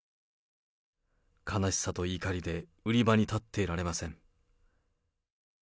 悲しさと怒りで、売り場に立ってられません。